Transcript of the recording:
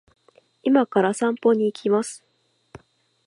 今から散歩に行きます